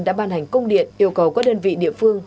đã ban hành công điện yêu cầu các đơn vị địa phương